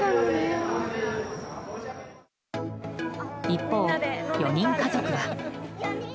一方、４人家族は。